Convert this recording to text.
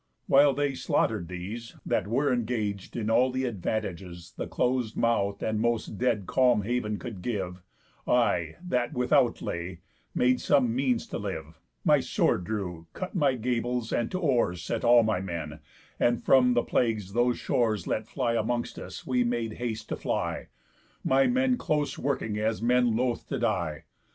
While they slaughter'd these, That were engag'd in all th' advantages The close mouth'd and most dead calm haven could give, I, that without lay, made some means to live, My sword drew, cut my gables, and to oars Set all my men; and, from the plagues those shores Let fly amongst us, we made haste to fly, My men close working as men loth to die.